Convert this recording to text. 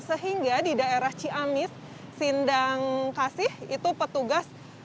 sehingga di daerah ciamis sindangkasih itu petugas